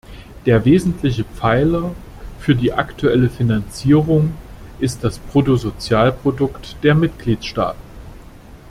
Der wesentliche Pfeiler für die aktuelle Finanzierung ist das Bruttosozialprodukt der Mitgliedstaaten.